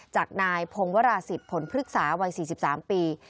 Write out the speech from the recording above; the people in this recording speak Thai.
จากนายพงวราศิษย์ผลพฤกษาวัย๔๓ปี